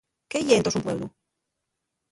¿Qué ye entós un pueblu?